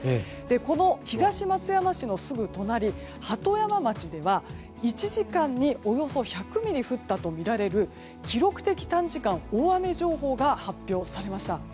この東松山市のすぐ隣鳩山町では１時間におよそ１００ミリ降ったとみられる記録的短時間大雨情報が発表されました。